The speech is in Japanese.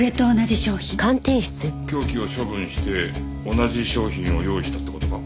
凶器を処分して同じ商品を用意したって事か？